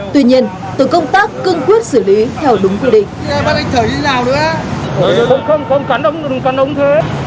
tuy nhiên từ công tác cương quyết xử lý theo đúng quy định